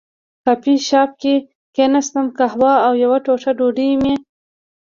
کافي شاپ کې کېناستم، قهوه او یوه ټوټه ډوډۍ مې.